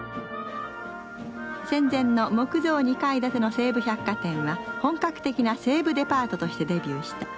戦前の木造２階建ての西武百貨店は本格的な西武デパートとしてデビューした。